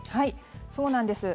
そうなんです。